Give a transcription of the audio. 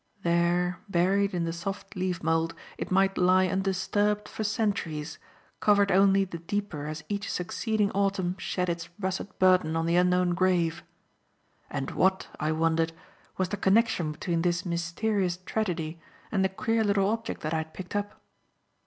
There, buried in the soft leaf mould, it might lie undisturbed for centuries, covered only the deeper as each succeeding autumn shed its russet burden on the unknown grave. And what, I wondered, was the connection between this mysterious tragedy and the queer little object that I had picked up?